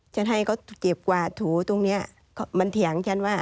ฉันให้เขาเจ็บกวาดถูตรงเนี้ย